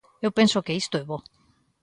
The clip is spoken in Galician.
Eu penso que isto é bo.